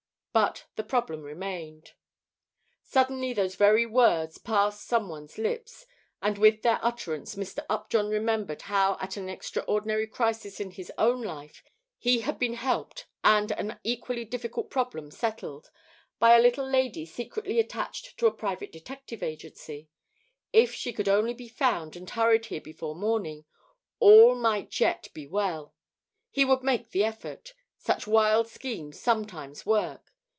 But the problem remained. Suddenly those very words passed some one's lips, and with their utterance Mr. Upjohn remembered how at an extraordinary crisis in his own life he had been helped and an equally difficult problem settled, by a little lady secretly attached to a private detective agency. If she could only be found and hurried here before morning, all might yet be well. He would make the effort. Such wild schemes sometimes work.